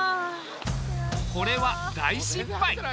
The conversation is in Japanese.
これは大失敗。